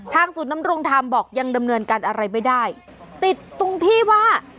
ศูนย์นำรงธรรมบอกยังดำเนินการอะไรไม่ได้ติดตรงที่ว่า